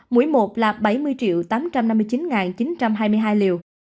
mỗi một là bảy mươi tám trăm năm mươi chín chín trăm hai mươi hai liều